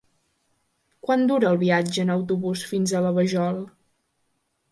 Quant dura el viatge en autobús fins a la Vajol?